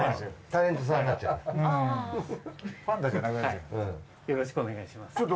よろしくお願いします。